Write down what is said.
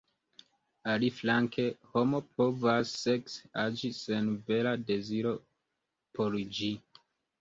Aliflanke, homo povas sekse agi sen vera deziro por ĝi.